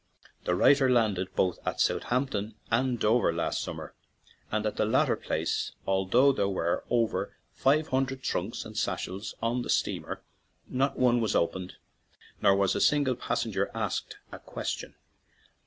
The writer landed both at South ampton and Dover last summer, and at the latter place, although there were over five hundred trunks and satchels on the steam er, not one was opened, nor was a single passenger asked a question.